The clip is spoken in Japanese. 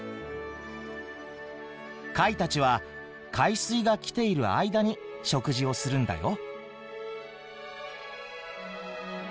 貝たちは海水が来ている間に食事をするんだよ。